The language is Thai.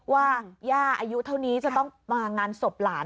ย่าอายุเท่านี้จะต้องมางานศพหลาน